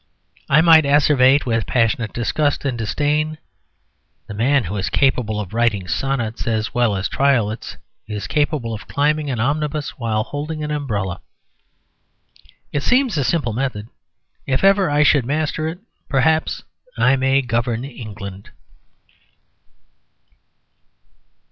I might asseverate with passionate disgust and disdain: "The man who is capable of writing sonnets as well as triolets is capable of climbing an omnibus while holding an umbrella." It seems a simple method; if ever I should master it perhaps I may govern England.